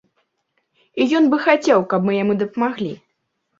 І ён бы хацеў, каб мы яму дапамаглі.